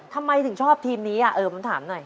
ทำไมถึงชอบทีมนี้อ่ะเออปัญหาหน่อย